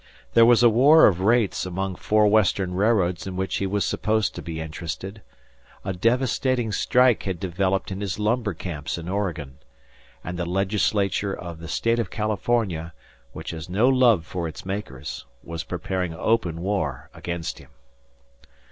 There was a war of rates among four Western railroads in which he was supposed to be interested; a devastating strike had developed in his lumber camps in Oregon, and the legislature of the State of California, which has no love for its makers, was preparing open war against him.